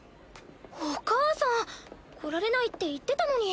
お母さん。来られないって言ってたのに。